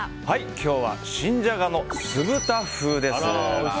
今日は新じゃがの酢豚風です。